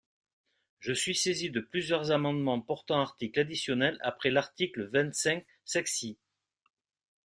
Je suis saisi de plusieurs amendements portant article additionnel après l’article vingt-cinq sexies.